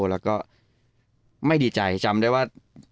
แล้วก็ไม่ดีใจจำได้ว่า